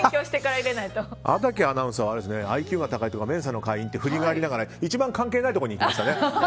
安宅アナウンサーはＩＱが高くてＭＥＮＳＡの会員って振りがありながら一番関係のないところに行きましたね。